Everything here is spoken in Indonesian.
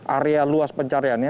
area luas pencariannya